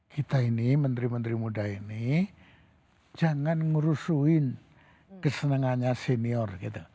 kita ini menteri menteri muda ini jangan ngurusin kesenangannya senior gitu